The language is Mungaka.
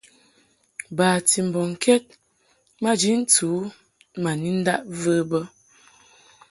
Bati mbɔŋkɛd maji ntɨ u ma ni ndaʼ və bə.